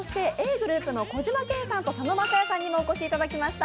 ｇｒｏｕｐの小島健さんと佐野晶哉さんにもお越しいただきました。